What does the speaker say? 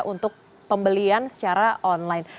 untuk pembelian secara online